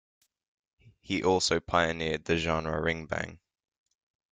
He also pioneered the genre ringbang.